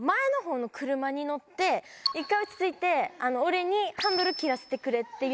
「一回落ち着いて俺にハンドル切らせてくれ」って。